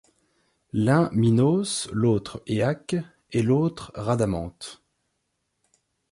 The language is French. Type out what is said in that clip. L’un Minos, l’autre Éaque, et l’autre Rhadamante